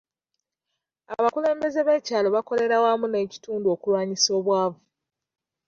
Abakulembeze b'ekyalo bakolera wamu n'ekitundu okulwanyisa obwavu.